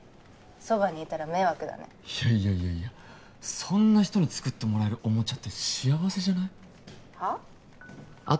そばにいたら迷惑だねいやいやいやいやそんな人に作ってもらえるおもちゃって幸せじゃない？はあ？